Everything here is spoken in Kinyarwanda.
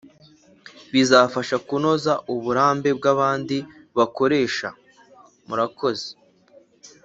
bizafasha kunoza uburambe bwabandi bakoresha. murakoze.